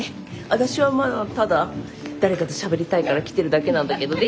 私はまぁただ誰かとしゃべりたいから来てるだけなんだけどね。